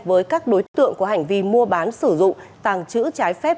với các đối tượng có hành vi mua bán sử dụng tàng trữ trái phép